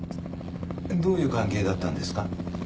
どういう関係だったんですか？